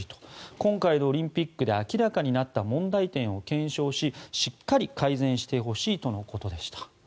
今回のオリンピックで明らかになった問題点を検証ししっかり改善してほしいとのことでした。